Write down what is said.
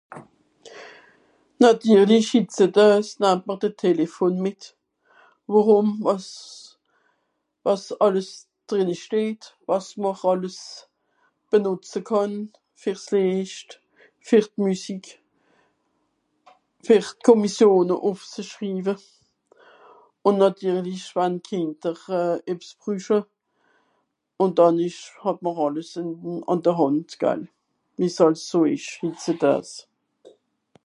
nàtirlich hitzedeus nahmt mr de Telephon mìt wòrùm àss àss àlles drìnne steht wàs mr àlles benùtze kànn ver s'Leischt ver d'Musique ver d'Komossione ùff zu schriewe ùn nàtirlich wann d'Kìnder ebs brüche ùn dànn esch hàb mr àlles ìn àn de hand gal wie's àls so esch hitzedeus